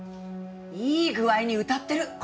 いい具合にうたってる。